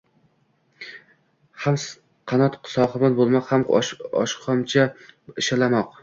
Ham qanoat sohibn bo'lmoq ham oqshomgacha ishlamoq...